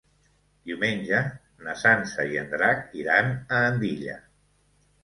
Diumenge na Sança i en Drac iran a Andilla.